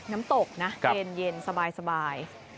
น้ำตกนะเย็นสบาย